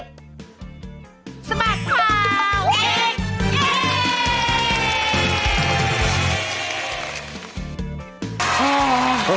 สบัดข่าวเด็ก